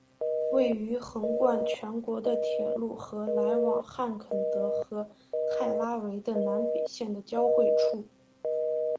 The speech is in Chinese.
位于横贯全国的铁路和来往汉肯德和泰拉维的南北线的交汇处。